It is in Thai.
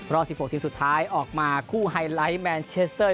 รอบ๑๖ทีมสุดท้ายออกมาคู่ไฮไลท์แมนเชสเตอร์